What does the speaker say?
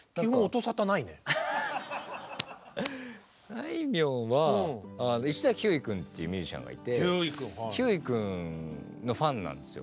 あいみょんは石崎ひゅーい君っていうミュージシャンがいてひゅーい君のファンなんですよ。